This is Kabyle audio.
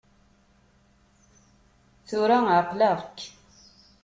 Tura ɛeqleɣ-k!